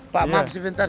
pak maaf sebentar